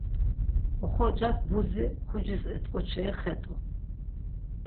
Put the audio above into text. Oxorcak budzi mxucis et̆ǩoçeri xet̆u.